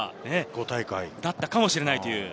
５大会だったかもしれない。